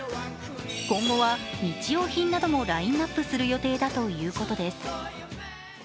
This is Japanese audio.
今後は日用品などもラインナップする予定だということです。